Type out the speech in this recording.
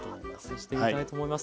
試してみたいと思います。